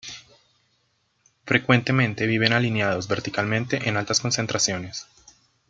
Frecuentemente viven alineados verticalmente en altas concentraciones.